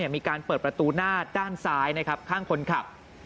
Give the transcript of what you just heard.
มีการเปิดประตูหน้าด้านซ้ายข้างคนขับ